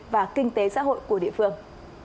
và kinh tế xã hội của địa phương